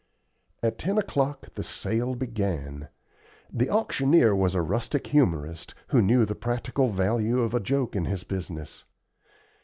At ten o'clock the sale began. The auctioneer was a rustic humorist, who knew the practical value of a joke in his business.